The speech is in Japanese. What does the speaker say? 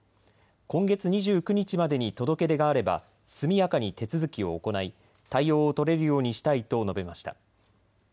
今月２９日までに届け出があれば速やかに手続きを行い対応を取れるようにしたいと述べました。